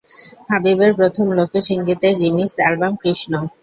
হাবিবের প্রথম লোকসঙ্গীতের remix album "Krishna".